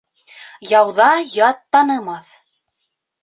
Яуҙа ят танымаҫ.